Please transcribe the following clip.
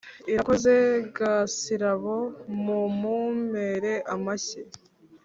irakoze gasirabo, mumumpere amashyi.